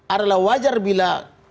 adalah wajar bila